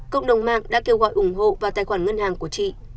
cộng đồng mạng đã kêu gọi ủng hộ vào tài khoản ngân hàng của chị